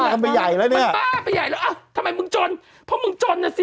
ทำไปใหญ่แล้วเนี่ยมันบ้าไปใหญ่แล้วอ่ะทำไมมึงจนเพราะมึงจนน่ะสิ